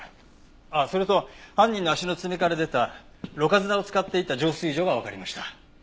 ああそれと犯人の足の爪から出たろ過砂を使っていた浄水場がわかりました。